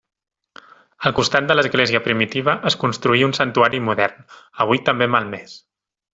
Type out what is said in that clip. Al costat de l'església primitiva es construí un santuari modern, avui també malmès.